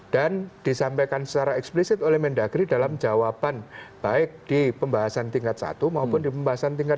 dan disampaikan secara eksplisit oleh mendagri dalam jawaban baik di pembahasan tingkat satu maupun di pembahasan tingkat dua